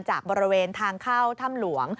จากบริเวณทางเข้าถ้ำหลวง